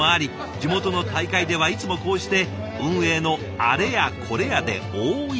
地元の大会ではいつもこうして運営のあれやこれやで大忙し。